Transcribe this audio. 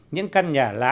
những căn nhà lá